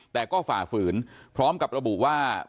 แต่ก็ฝ่าฝืนพร้อมกับระบุว่า